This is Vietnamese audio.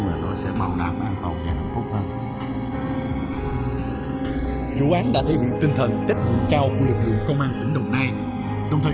là ở trong công ty